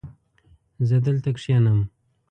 زه دلته کښېنم